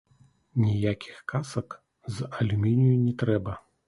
Ніякіх касак з алюмінію не трэба.